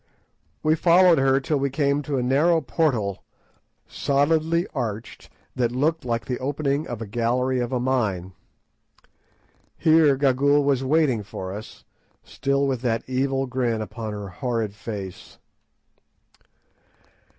We followed her till we came to a narrow portal solidly arched that looked like the opening of a gallery of a mine. Here Gagool was waiting for us, still with that evil grin upon her horrid face.